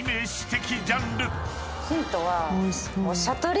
ヒントは。